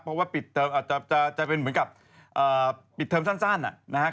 เพราะว่าจะเป็นเหมือนกับปิดเทอมสั้นนะครับ